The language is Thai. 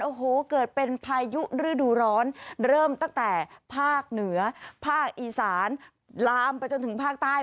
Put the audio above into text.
โอ้โหเกิดเป็นพายุฤดูร้อนเริ่มตั้งแต่ภาคเหนือภาคอีสานลามไปจนถึงภาคใต้